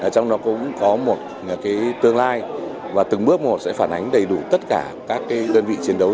trong đó cũng có một tương lai và từng bước một sẽ phản ánh đầy đủ tất cả các đơn vị chiến đấu